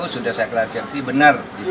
sudah saya klarifikasi benar